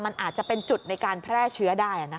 มันอาจจะเป็นจุดในการแพร่เชื้อได้